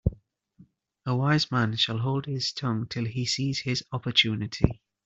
A wise man shall hold his tongue till he sees his opportunity.